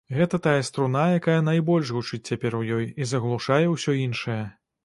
Гэта тая струна, якая найбольш гучыць цяпер у ёй і заглушае ўсё іншае.